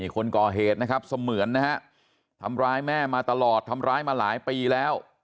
คนก่อเหตุนะครับเสมือนนะฮะทำร้ายแม่มาตลอดทำร้ายมาหลายปีแล้ว